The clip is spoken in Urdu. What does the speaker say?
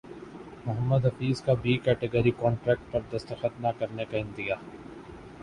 محمد حفیظ کا بی کیٹیگری کنٹریکٹ پر دستخط نہ کرنےکا عندیہ